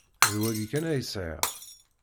D wayi kan ay sεiɣ.